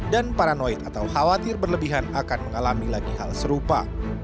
dan paranoid atau khawatir berlebihan akan mengalami lagi hal serupa